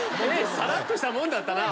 さらっとしたもんだったな。